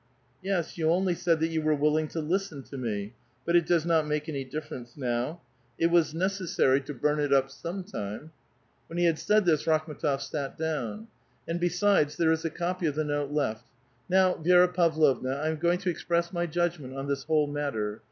"'* Yes, you only said that yon were willing to listen to me. But it does not make anj' difference now. It was necessary 298 A VITAL QUESTION. to burn it up some time." When he had said this, Rakhm^ tof sut down. ''And besides, there is a copy of the note left. Now, Vi^ra Pavlovna, 1 am goiug to express my judg ment on this whole matter.